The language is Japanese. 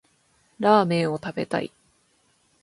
ラーメンを食べたい